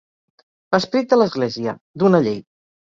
L'esperit de l'Església, d'una llei.